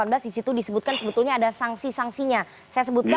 di situ disebutkan sebetulnya ada sanksi sanksinya saya sebutkan